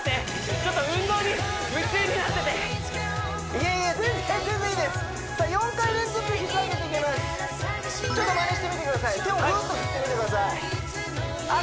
ちょっとまねしてみてください手をグッと振ってみてくださいあっ